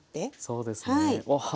そうですね。